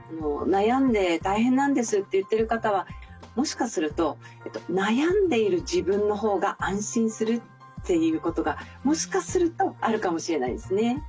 「悩んで大変なんです」って言ってる方はもしかすると悩んでいる自分のほうが安心するっていうことがもしかするとあるかもしれないですね。